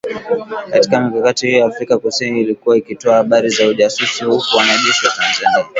Katika mikakati hiyo Afrika kusini ilikuwa ikitoa habari za ujasusi huku wanajeshi wa Tanzania